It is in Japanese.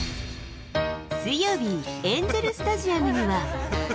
水曜日、エンゼルスタジアムには。